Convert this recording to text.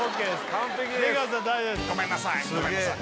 完璧ですごめんなさいごめんなさい